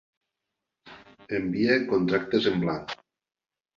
Envia contractes en blanc.